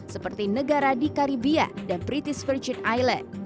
seperti negara di karibia dan british virgin island